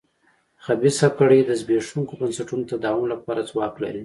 خبیثه کړۍ د زبېښونکو بنسټونو تداوم لپاره ځواک لري.